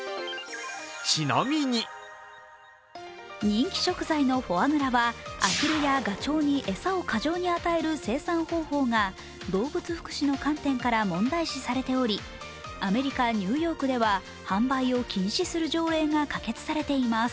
人気食材のフォアグラはアヒルやガチョウに餌を過剰に与える生産方法が動物福祉の観点から問題視されておりアメリカ・ニューヨークでは販売を禁止する条例が可決されています。